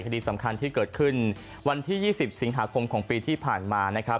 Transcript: คดีสำคัญที่เกิดขึ้นวันที่๒๐สิงหาคมของปีที่ผ่านมานะครับ